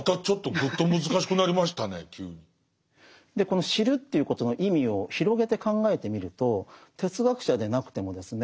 この知るっていうことの意味を広げて考えてみると哲学者でなくてもですね